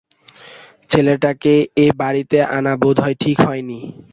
ছেলেটাকে এ বাড়িতে আনা বোধহয় ঠিক হয় নি।